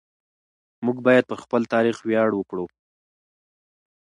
موږ باید پر خپل تاریخ ویاړ وکړو.